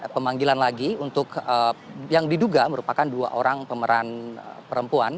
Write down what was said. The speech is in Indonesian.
pemanggilan lagi untuk yang diduga merupakan dua orang pemeran perempuan